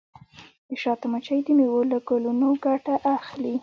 د شاتو مچۍ د میوو له ګلونو ګټه اخلي.